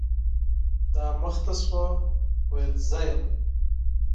دا مخ ته شوه ، ویل زه یم .